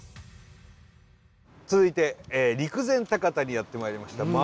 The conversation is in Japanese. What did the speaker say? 続いて陸前高田にやってまいりました。